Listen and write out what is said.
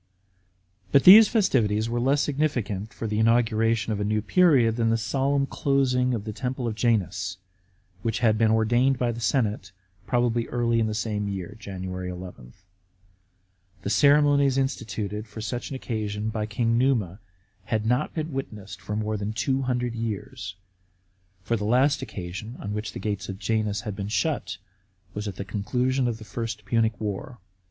But these festivities were less significant for the inauguration of a new period than the solemn closing of the temple of Janus, which had been ordained by the senate, probably early in the same year (Jan. 11). The ceremonies instituted for such an occasion by King Numa had not been witnessed for more than two hundred years, for the last occasion on which the gates of Janus had been shut was at the conclusion of the First Punic War.